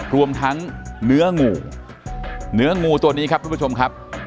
รวมทั้งเนื้องูเนื้องูตัวนี้ครับทุกผู้ชมครับ